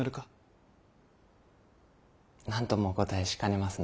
なんともお答えしかねますな。